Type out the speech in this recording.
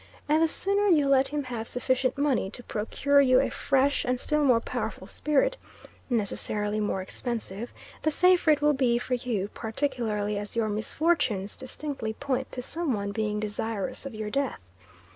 and the sooner you let him have sufficient money to procure you a fresh and still more powerful spirit necessarily more expensive the safer it will be for you, particularly as your misfortunes distinctly point to some one being desirous of your death.